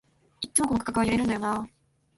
いっつもこの区間は揺れるんだよなあ